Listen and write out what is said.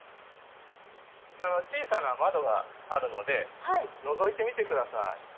小さな窓があるのでのぞいてみて下さい。